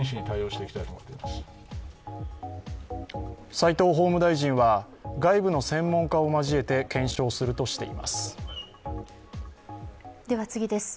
斎藤法務大臣は外部の専門家を交えて検証するとしています。